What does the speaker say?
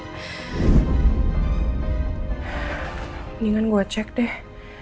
mendingan gue cek deh